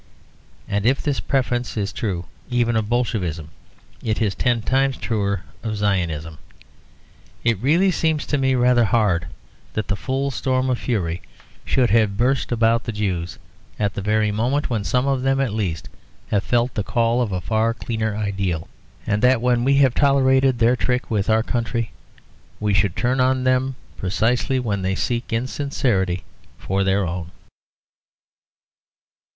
And if this preference is true even of Bolshevism, it is ten times truer of Zionism. It really seems to me rather hard that the full storm of fury should have burst about the Jews, at the very moment when some of them at least have felt the call of a far cleaner ideal; and that when we have tolerated their tricks with our country, we should turn on them precisely when they seek in sincerity for their own.